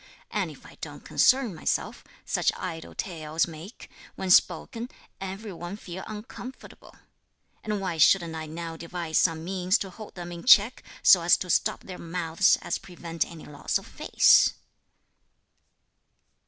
and if I don't concern myself, such idle tales make, when spoken, every one feel uncomfortable; and why shouldn't I now devise some means to hold them in check, so as to stop their mouths, and prevent any loss of face!"